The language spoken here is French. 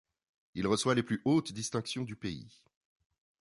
Il reçoit les plus hautes distinctions du pays.